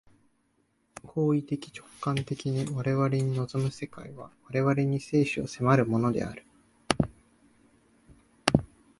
行為的直観的に我々に臨む世界は、我々に生死を迫るものである。